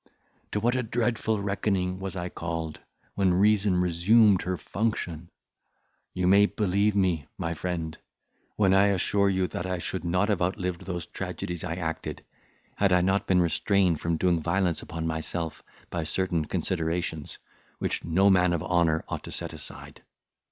To what a dreadful reckoning was I called, when reason resumed her function! You may believe me, my friend, when I assure you, that I should not have outlived those tragedies I acted, had I not been restrained from doing violence upon myself by certain considerations, which no man of honour ought to set aside.